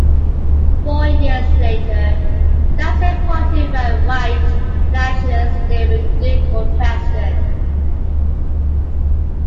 Four years later, that same party ran white nationalist David Duke for president.